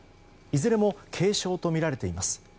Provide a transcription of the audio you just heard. いずれも軽傷とみられています。